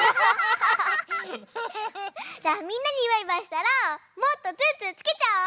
じゃあみんなにバイバイしたらもっとツンツンつけちゃおう！